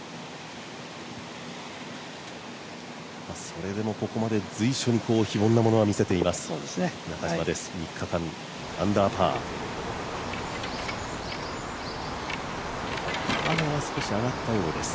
それでもここまで随所に非凡なものを見せています中島です。